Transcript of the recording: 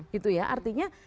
gitu ya artinya